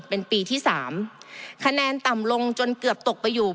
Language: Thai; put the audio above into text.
เป็นปีที่สามคะแนนต่ำลงจนเกือบตกไปอยู่